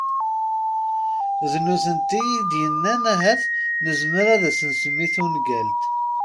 D nutenti i d-yennan ahat nezmer ad as-nsemmi tungalt.